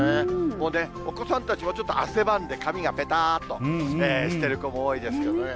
もうね、お子さんたちもちょっと汗ばんで髪がぺたっとしてる子も多いですけどね。